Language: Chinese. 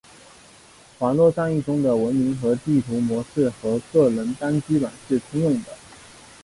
网络战役中的文明和地图模式和个人单机版是通用的。